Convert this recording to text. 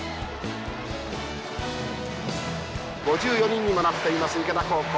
５４人にもなっています池田高校。